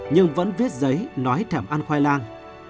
nhưng vẫn viết giấy nói thèm ăn khoai lang